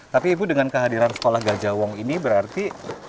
tapi ibu dengan kehadiran sekolah gajahwong ini berarti